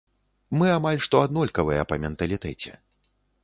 Мы амаль што аднолькавыя па менталітэце.